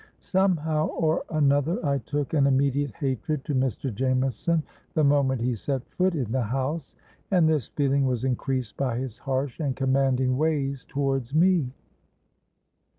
Somehow or another I took an immediate hatred to Mr. Jameson, the moment he set foot in the house; and this feeling was increased by his harsh and commanding ways towards me.